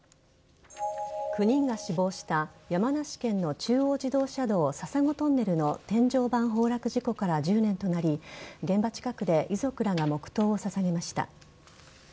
９人が死亡した山梨県の中央自動車道笹子トンネルの天井板崩落事故から１０年となり現場近くで遺族らが黙とうを捧げました。